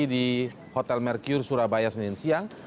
di hotel merkure surabaya senin siang